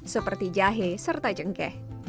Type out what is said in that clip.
seperti jahe serta jengkeh